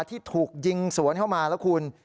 ที่ถูกยิงสวนเข้ามาแล้วคุณ